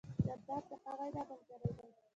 جانداد د ښه وینا ملګری دی.